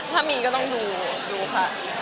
ถ้ามีก็ต้องดูค่ะ